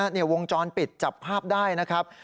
เนี่ยวงจรปิดจับภาพได้นะครับ